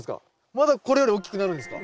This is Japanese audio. まだこれより大きくなるんですか？